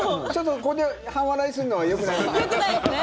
ここで半笑いするのはよくないよね。